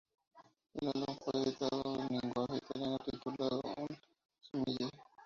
El álbum fue editado en lenguaje Italiano titulado "Uno su mille".